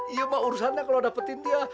ya mah urusannya kalau dapetin dia